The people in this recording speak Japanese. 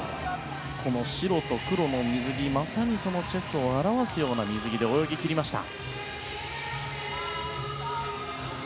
この白と黒の水着まさにそのチェスを表すような水着で泳ぎ切りました。